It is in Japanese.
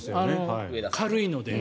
軽いので。